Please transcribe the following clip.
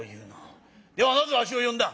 ではなぜわしを呼んだ？」。